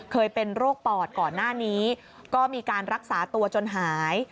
เคยเป็นโรคปอดก่อนหน้านี้ก็มีการรักษาตัวจนหาย